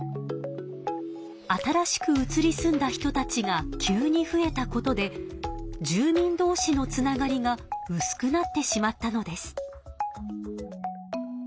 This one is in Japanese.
新しく移り住んだ人たちが急に増えたことで住人どうしのつながりがうすくなってしまったのです。